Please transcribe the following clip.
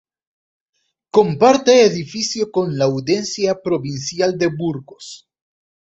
Comparte edificio con la Audiencia Provincial de Burgos.